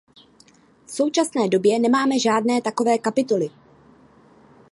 V současné době nemáme žádné takové kapitoly.